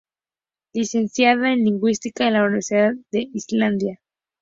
Licenciada en lingüística en la Universidad de Islandia.